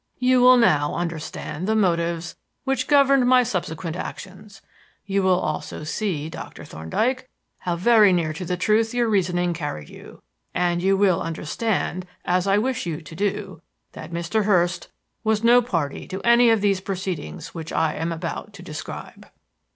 "You will now understand the motives which governed my subsequent actions. You will also see, Doctor Thorndyke, how very near to the truth your reasoning carried you; and you will understand, as I wish you to do, that Mr. Hurst was no party to any of these proceedings which I am about to describe.